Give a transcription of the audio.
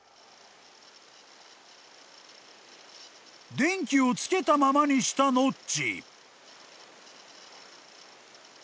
［電気をつけたままにしたノッチ］